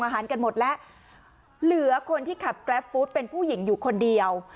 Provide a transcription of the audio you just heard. เหลือคนที่ขับกราฟฟู้ดเป็นผู้หญิงอยู่คนเดียว